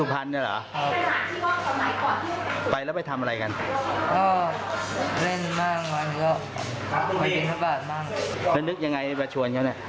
หงาวหง่าว